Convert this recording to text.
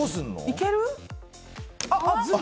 いける？